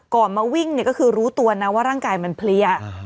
มาวิ่งเนี่ยก็คือรู้ตัวนะว่าร่างกายมันเพลีย